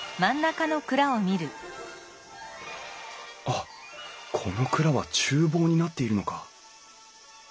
あっこの蔵はちゅう房になっているのか。